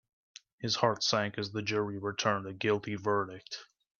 His heart sank as the jury returned a guilty verdict.